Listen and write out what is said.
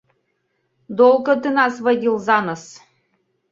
Долго ты нас водил за нос!»